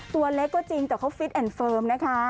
ตัวเล็กก็จริงแต่เขาฟิตเฟิร์ม